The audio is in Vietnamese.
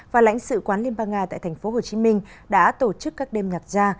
và lãnh sự quán liên bang nga tại tp hcm đã tổ chức các đêm nhạc gia